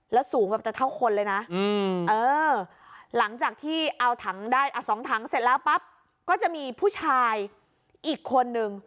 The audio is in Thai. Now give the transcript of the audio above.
แล้วสูงแบบจะเท่าคนเลยนะหลังจากที่เอาถังได้๒ถังเสร็จแล้วปั๊บก็จะมีผู้ชายอีกคนนึง